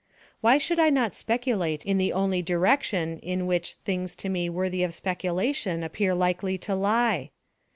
Why should I not speculate in the only direction in which things to me worthy of speculation appear likely to lie?